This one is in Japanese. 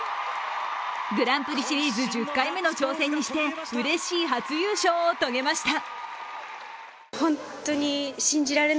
グランプリシリーズ１０回目の挑戦にして、うれしい初優勝を遂げました。